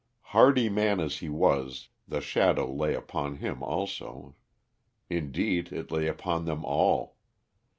Hardy man as he was, the shadow lay upon him also; indeed, it lay upon them all.